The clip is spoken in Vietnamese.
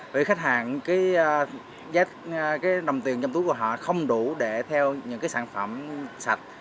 vì khách hàng cái nồng tiền trong túi của họ không đủ để theo những cái sản phẩm sạch